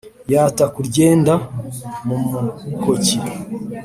yata karyenda mu mukoki.